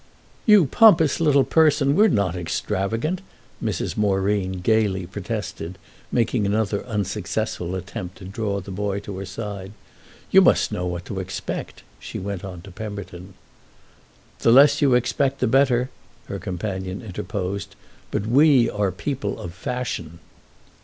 "You pompous little person! We're not extravagant!" Mrs. Moreen gaily protested, making another unsuccessful attempt to draw the boy to her side. "You must know what to expect," she went on to Pemberton. "The less you expect the better!" her companion interposed. "But we are people of fashion."